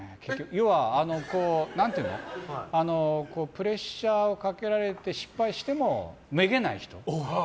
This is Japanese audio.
要は、プレッシャーをかけられて失敗してもめげない人。